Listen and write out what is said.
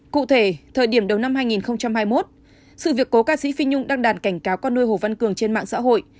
cụ thể thời điểm đầu năm hai nghìn hai mươi một sự việc cố ca sĩ phi nhung đăng đàn cảnh cáo con nuôi hồ văn cường trên mạng xã hội